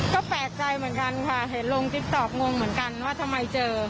ก็แปลกใจเหมือนกันค่ะเห็นลงติ๊กต๊อกงงเหมือนกันว่าทำไมเจอ